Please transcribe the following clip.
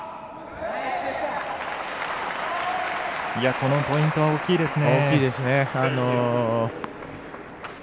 このポイントは大きいですね。